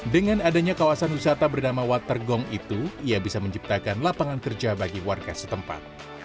dengan adanya kawasan wisata bernama water gong itu ia bisa menciptakan lapangan kerja bagi warga setempat